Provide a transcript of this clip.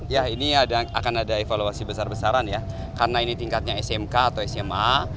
ya ini akan ada evaluasi besar besaran ya karena ini tingkatnya smk atau sma